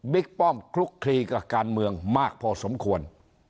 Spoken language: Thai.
ป้อมคลุกคลีกับการเมืองมากพอสมควร